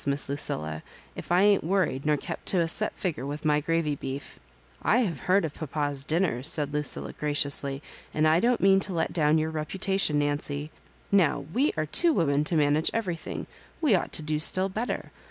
Miss Lucilla, if I ain't worried nor kept to a set figger with my gravy beef" " I have heard of papa's dinners," said Lucilla, graciously, " and I don't mean to let down your .reputation, Nancy. Now we are two women to 'manage everything, we ought to do still better.